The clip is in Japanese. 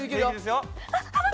あっ。